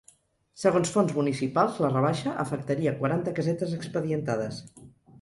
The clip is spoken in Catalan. Segons fonts municipals, la rebaixa afectaria quaranta casetes expedientades.